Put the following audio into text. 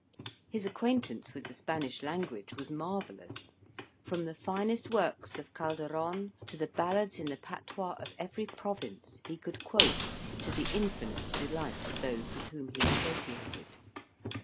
His acquaintance with the Spanish language was marvellous; from the finest works of Calderon to the ballads in the patois of every province, he could quote, to the infinite delight of those with whom he associated.